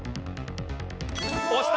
押した！